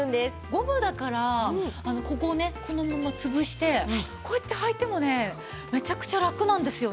ゴムだからここをねこのまま潰してこうやって履いてもねめちゃくちゃラクなんですよね。